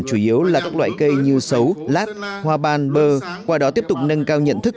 chủ yếu là các loại cây như sấu lát hoa ban bơ qua đó tiếp tục nâng cao nhận thức